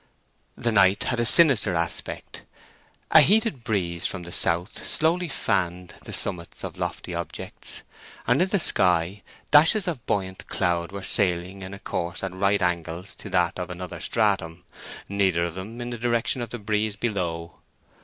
The night had a sinister aspect. A heated breeze from the south slowly fanned the summits of lofty objects, and in the sky dashes of buoyant cloud were sailing in a course at right angles to that of another stratum, neither of them in the direction of the breeze below.